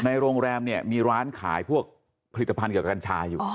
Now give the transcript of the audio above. โรงแรมเนี่ยมีร้านขายพวกผลิตภัณฑ์เกี่ยวกับกัญชาอยู่